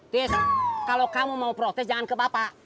tis kalau kamu mau protes jangan ke bapak